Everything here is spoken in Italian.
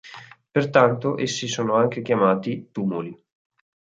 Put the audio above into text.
Pertanto, essi sono anche chiamati "tumuli".